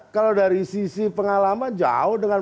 kalau dari sisi pengalaman jauh dengan